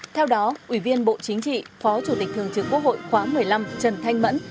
theo đó ủy viên bộ chính trị phó chủ tịch thường trực quốc hội khóa một mươi năm trần thanh mẫn